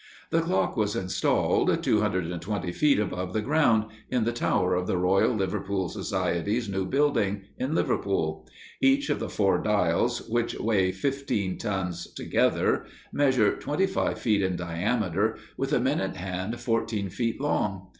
The clock was installed, 220 feet above the ground, in the tower of the Royal Liverpool Society's new building, in Liverpool. Each of the four dials, which weigh fifteen tons together, measure twenty five feet in diameter, with a minute hand fourteen feet long.